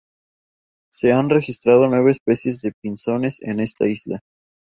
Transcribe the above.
Se han registrado nueve especies de pinzones en esta isla.